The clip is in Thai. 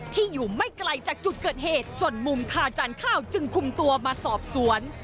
อยู่ไม่ไกลจากจุดเกิดเหตุส่วนมุมคาจานข้าวจึงคุมตัวมาสอบสวน